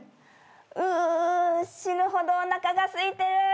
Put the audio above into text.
う死ぬほどおなかがすいてる。